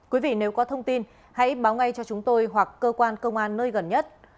quý vị nếu có thông tin hãy báo ngay cho chúng tôi hoặc cơ quan công an nơi gần nhất